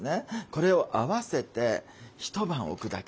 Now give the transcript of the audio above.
これを合わせて一晩置くだけ。